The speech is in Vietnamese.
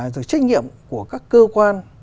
rồi trách nhiệm của các cơ quan